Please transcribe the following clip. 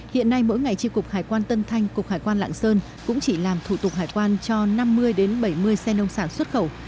hiện nay mỗi ngày tri cục hải quan tân thanh cục hải quan lạng sơn cũng chỉ làm thủ tục hải quan cho năm mươi bảy mươi xe nông sản xuất khẩu